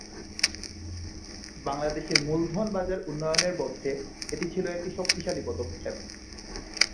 বাংলাদেশের মূলধন বাজার উন্নয়নের পথে এটি ছিল একটি শক্তিশালী পদক্ষেপ।